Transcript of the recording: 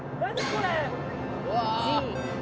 これ。